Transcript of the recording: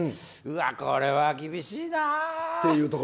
これは厳しいな。